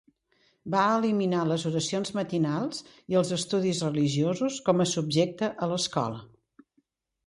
Va eliminar les oracions matinals i els estudis religiosos com a subjecte a l'escola.